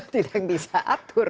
tidak ada yang bisa mengatur